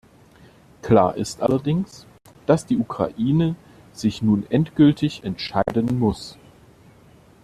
Klar ist allerdings, dass die Ukraine sich nun endgültig entscheiden muss.